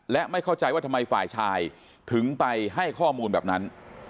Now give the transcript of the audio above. และไม่เข้าใจว่าทำไมฝ่ายชายถึงไปให้ข้อมูลแบบนั้น